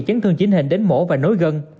chấn thương chính hình đến mổ và nối gân